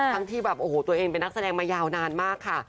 ที่แบบโอ้โหตัวเองเป็นนักแสดงมายาวนานมากค่ะ